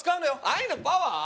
愛のパワー？